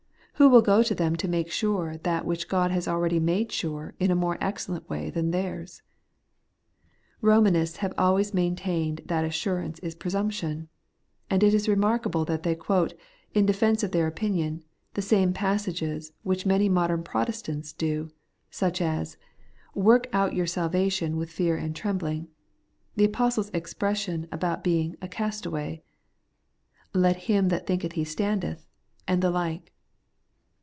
Who will go to them to make sure that which God has already made sure in a more excellent way than theirs ? Eomanists have always maintained that assurance is presumption ; and it is remarkable that they quote, in defence of their opinion, the same passages which many modern Protestants do, such as, 'Work out your salvation with fear and trembling ;' the apostle's expression about being ' a castaway ;'' Let hJTn that thinketh he standeth;' and the like.